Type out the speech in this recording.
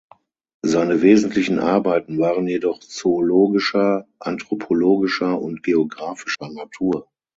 Seine wesentlichen Arbeiten waren jedoch zoologischer, anthropologischer und geographischer Natur.